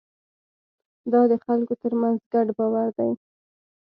دا د خلکو ترمنځ ګډ باور دی.